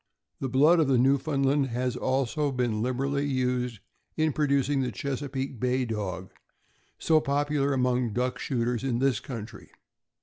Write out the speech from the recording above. The blood of the Newfoundland has also been liberally used in producing the Chesapeake Bay Dog, so popular among duck shooters in this country.